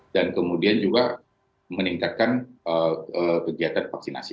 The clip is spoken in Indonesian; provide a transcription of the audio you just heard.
dan kemudian juga meningkatkan kegiatan vaksinasi